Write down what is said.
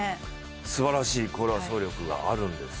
すばらしい走力があるんです。